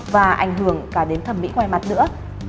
và ảnh hưởng cả đến thẩm mỹ ngoài mặt nữa